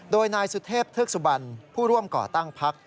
โดยนายสุเทพเทือกสุบันผู้ร่วมก่อตั้งพัก